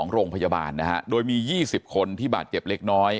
โรงพยาบาลนะฮะโดยมี๒๐คนที่บาดเจ็บเล็กน้อย